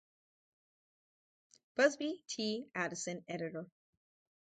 Busbey, T. Addison, editor.